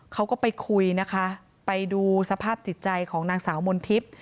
เขาก็ไปคุยนะคะไปดูสภาพจิตใจของนางสาวมนทิพย์